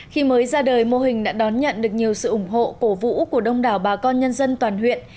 khi mới ra đời mô hình đã đón nhận được nhiều sự ủng hộ cổ vũ của đông đảo bà con nhân dân toàn huyện